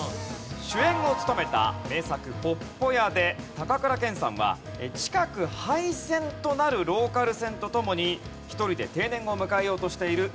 主演を務めた名作『鉄道員』で高倉健さんは近く廃線となるローカル線とともに一人で定年を迎えようとしている駅長を演じました。